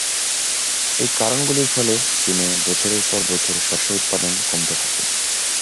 এই কারণগুলির ফলে, চীনে বছরের পর বছর শস্য উৎপাদন কমতে থাকে।